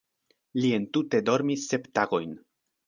Li entute dormis sep tagojn.